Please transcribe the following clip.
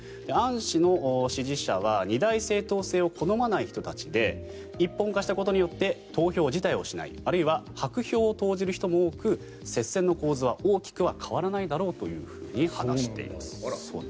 アン氏の支持者は２大政党制を好まない人たちで一本化したことによって投票自体をしないあるいは白票を投じる人も多く接戦の構図は大きくは変わらないだろうと話しています。